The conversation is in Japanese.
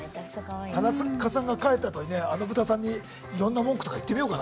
田中さんが帰ったあとにねあのブタさんにいろんな文句とか言ってみようかな。